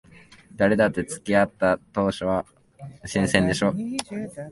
誰だって付き合った当初は新鮮でしょ。